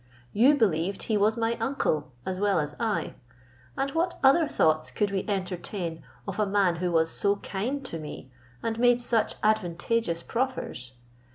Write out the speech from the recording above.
You believed he was my uncle, as well as I; and what other thoughts could we entertain of a man who was so kind to me, and made such advantageous proffers?